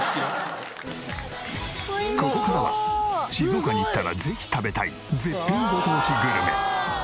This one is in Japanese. ここからは静岡に行ったらぜひ食べたい絶品ご当地グルメ。